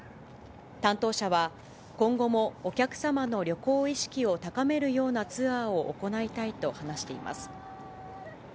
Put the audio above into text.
担当者は、今後もお客様の旅行意識を高めるようなツアーを行いたいと話しています。